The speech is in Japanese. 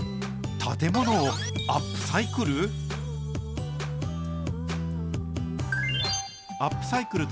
建物をアップサイクル？